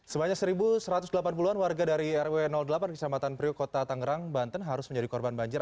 sebanyak satu satu ratus delapan puluh an warga dari rw delapan kecamatan priok kota tangerang banten harus menjadi korban banjir